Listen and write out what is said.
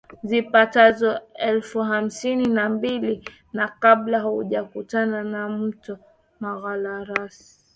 zipatazo elfu hamsini na mbili na kabla haujakutana na mto Malagarasi